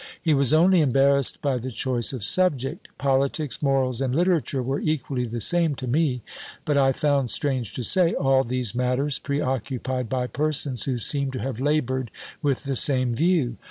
He was only embarrassed by the choice of subject. Politics, Morals, and Literature, were equally the same to me: but I found, strange to say, all these matters pre occupied by persons who seem to have laboured with the same view.